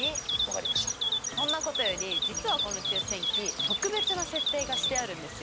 そんなことより実はこの抽選器特別な設定がしてあるんですよ。